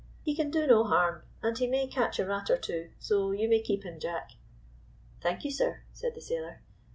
He can do no harm, and he may catch a rat or two; so you may keep him, Jack." " Thank you, sir," said the sailor.